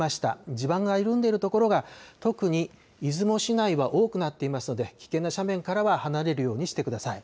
地盤が緩んでいるところが特に出雲市内は多くなっていますので、危険な斜面からは離れるようにしてください。